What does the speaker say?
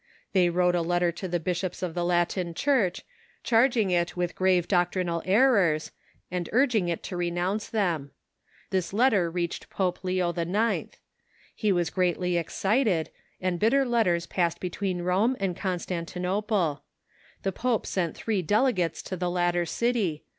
They wrote a letter to the bishops of the Latin Church, charging it with grave doctrinal errors, and urg ing it to renounce them. This letter reached Pope Leo TX. 10 146 THE MEDIAEVAL CIIUECII He was intensely excited, and bitter letters passed between Rome and Constantino^ile. The pope sent three delegates to the latter city.